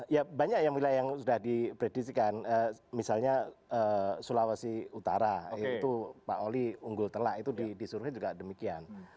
ya banyak yang sudah diprediksikan misalnya sulawesi utara pak oli unggul telak itu disurvei juga demikian